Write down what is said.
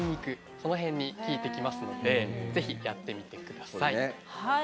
その辺にきいてきますのでぜひやってみてください。